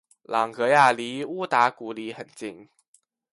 朗格亚离乌达古里很近。